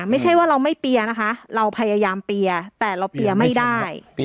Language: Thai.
ไม่ใช่ว่าเราไม่เปียร์นะคะเราพยายามเปียร์แต่เราเปียร์ไม่ได้